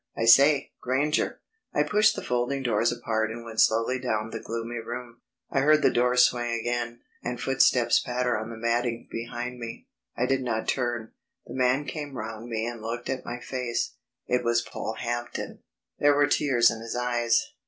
I say, Granger...." I pushed the folding doors apart and went slowly down the gloomy room. I heard the doors swing again, and footsteps patter on the matting behind me. I did not turn; the man came round me and looked at my face. It was Polehampton. There were tears in his eyes.